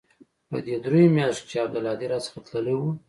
په دې درېو مياشتو کښې چې عبدالهادي را څخه تللى و.